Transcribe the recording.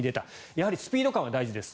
やはりスピード感は大事です。